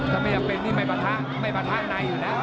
ทำไมอยากเป็นนี่ไม่ประทะในอยู่นะ